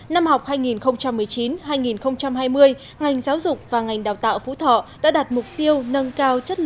năm học hai nghìn một mươi chín hai nghìn hai mươi ngành giáo dục và ngành đào tạo phú thọ đã đạt mục tiêu nâng cao